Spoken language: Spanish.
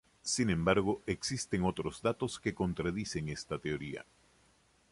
Sin embargo, existen otros datos que contradicen esta teoría.